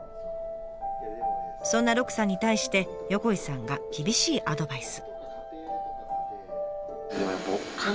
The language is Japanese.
そんな鹿さんに対して横井さんが厳しいアドバイス。